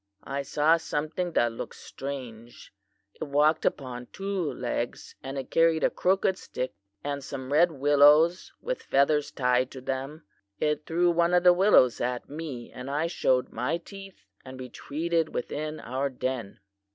I saw something that looked strange. It walked upon two legs, and it carried a crooked stick, and some red willows with feathers tied to them. It threw one of the willows at me, and I showed my teeth and retreated within our den.